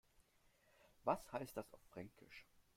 Was heißt das auf Fränkisch?